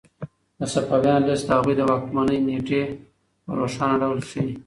د صفویانو لیست د هغوی د واکمنۍ نېټې په روښانه ډول ښيي.